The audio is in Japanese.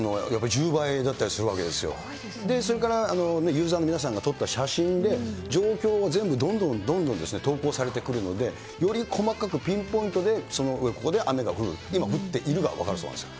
それからユーザーの皆さんが撮った写真で、状況を全部、どんどんどんどんですね、投稿されてくるので、より細かくピンポイントで、ここで雨が降る、今降っているが分かるそうなんです。